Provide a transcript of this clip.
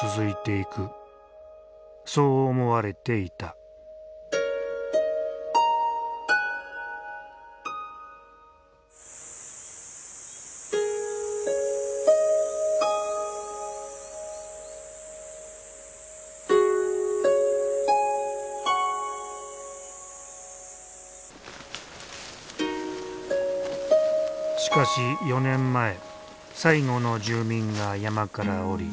しかし４年前最後の住民が山から下り消滅集落に。